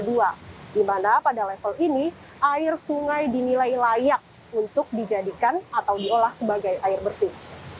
di mana pada level ini air sungai dinilai layak untuk dijadikan atau diolah sebagai air bersih